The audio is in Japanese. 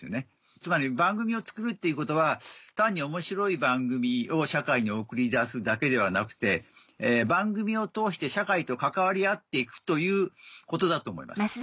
つまり番組を作るっていうことは単に面白い番組を社会に送り出すだけではなくて番組を通して社会と関わり合って行くということだと思います。